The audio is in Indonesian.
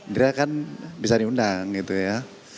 dia kan bisa diundang gitu ya